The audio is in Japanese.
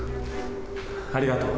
ありがとう。